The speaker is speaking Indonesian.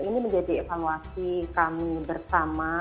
ini menjadi evaluasi kami bersama